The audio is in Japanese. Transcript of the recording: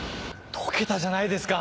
解けたじゃないですか！